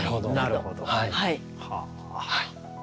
なるほど。